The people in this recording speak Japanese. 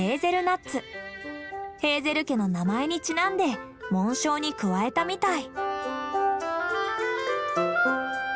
ヘーゼル家の名前にちなんで紋章に加えたみたい。